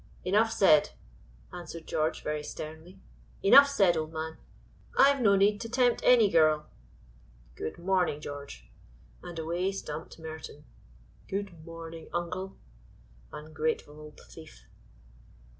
"Enough said," answered George very sternly. "Enough said, old man; I've no need to tempt any girl." "Good morning, George!" and away stumped Merton. "Good morning, uncle! (ungrateful old thief)."